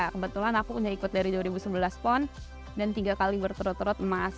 kebetulan aku udah ikut dari dua ribu sebelas pon dan tiga kali berturut turut emas